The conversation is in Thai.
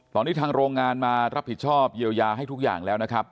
ตอนนี้ทางโรงงานมารับผิดชอบเยียวยาให้ทุกอย่างแล้วนะครับ